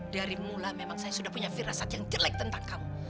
dari mula memang saya sudah punya firasat yang jelek tentang kamu